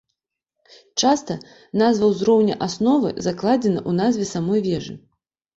Часта, назва ўзроўня асновы закладзена ў назве самой вежы.